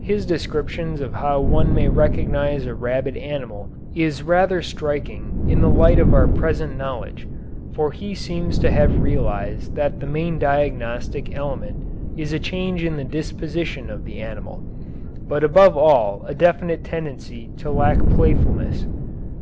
His description of how one may recognize a rabid animal is rather striking in the light of our present knowledge, for he seems to have realized that the main diagnostic element is a change in the disposition of the animal, but above all a definite tendency to lack playfulness.